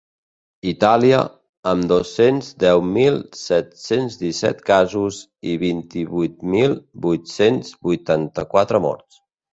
Itàlia, amb dos-cents deu mil set-cents disset casos i vint-i-vuit mil vuit-cents vuitanta-quatre morts.